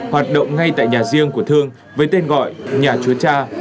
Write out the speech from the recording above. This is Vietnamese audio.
hoạt động ngay tại nhà riêng của thương với tên gọi nhà chúa cha